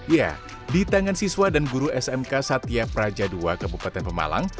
ya di tangan siswa dan guru smk satya praja ii kabupaten pemalang